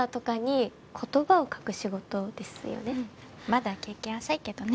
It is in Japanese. まだ経験浅いけどね。